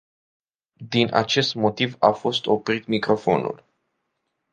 Din acest motiv a fost oprit microfonul.